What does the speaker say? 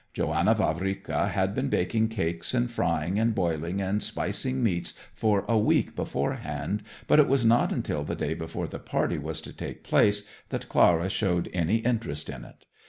Johanna Vavrika had been baking cakes and frying and boiling and spicing meats for a week beforehand, but it was not until the day before the party was to take place that Clara showed any interest in it.